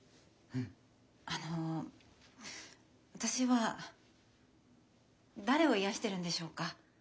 あの私は誰を癒やしてるんでしょうか。